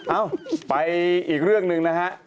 เอ้าไปอีกเรื่องหนึ่งนะฮะ